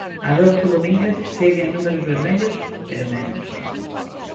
Adolfo Domínguez segue en números vermellos, pero menos.